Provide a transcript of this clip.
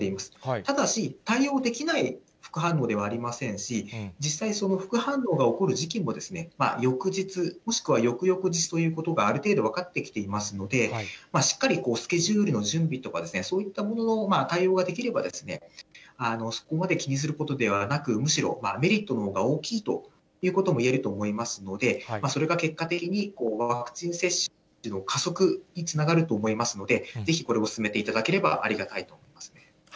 ただし、対応できない副反応ではありませんし、実際、副反応が起こる時期も、翌日、もしくは翌々日ということがある程度分かってきていますので、しっかりスケジュールの準備とか、そういったものの対応ができれば、そこまで気にすることではなく、むしろメリットのほうが大きいということが言えると思いますので、それが結果的にワクチン接種の加速につながると思いますので、ぜひこれを進めていただければありがたいと思いますね。